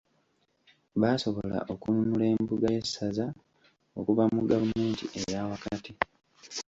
Baasobola okununula embuga y'essaza okuva mu gavumenti eyaawakati